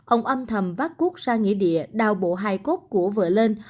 ông âm thầm vác cuốc ra nghỉ địa đào bộ hai cốt của vợ lên